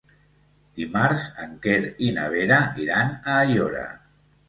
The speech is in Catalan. Dimarts en Quer i na Vera iran a Aiora.